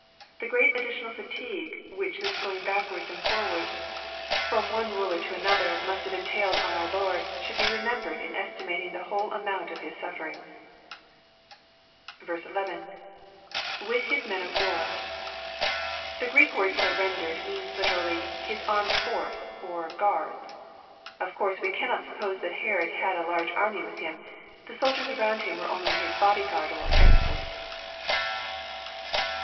The great ad ditional fatigue which this going backwards and forwaids from ^ EXPOSITOET THOUGHTS. one ruler to another must have entailed on our Lord, should be ro membered in estimating the whole amount of His sufferings. 11. — [With his men of war.] The Greek word so rendered, means literally, " his armed force," or '' guards." Of course we cannot suppose that Herod had a large army with him. The soldiers around him were only his body guard or escort.